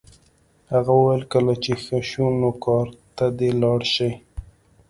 هغه وویل کله چې ښه شو نو کار ته دې لاړ شي